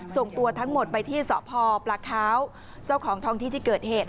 ส่งตัวทั้งหมดไปที่สพปลาคาวเจ้าของท้องที่ที่เกิดเหตุ